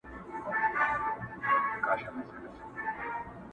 نه نارې یې چا په غرو کي اورېدلې.